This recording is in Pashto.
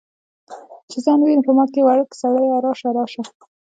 چې ځان وویني په ما کې ورک سړیه راشه، راشه